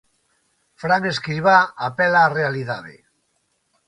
Fran Escribá apela á realidade.